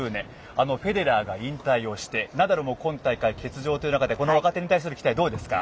あのフェデラーが引退をしてナダルも今大会欠場の中で若手に対する期待どうですか？